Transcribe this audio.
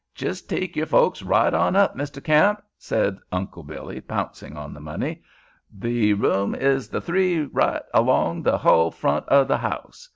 "Jis' take yore folks right on up, Mr. Kamp," said Uncle Billy, pouncing on the money. "Th' rooms is th' three right along th' hull front o' th' house.